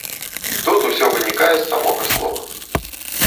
Тут усё вынікае з самога слова.